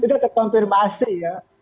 tidak terkonfirmasi ya